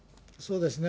そうですね。